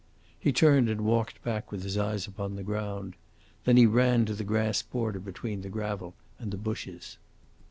He turned and walked back with his eyes upon the ground. Then he ran to the grass border between the gravel and the bushes.